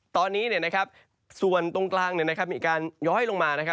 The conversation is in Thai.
ตอนนี้ส่วนตรงกลางมีการย้อยลงมานะครับ